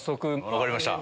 分かりました。